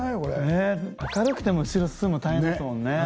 ねっ明るくても後ろ進むの大変ですもんね